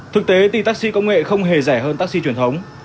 thực tế thì taxi công nghệ không hề rẻ hơn taxi truyền thống